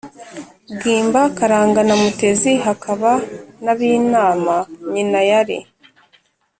bwimba, karangana, mutezi, hakaba na binama nyina yari